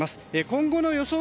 今後の予想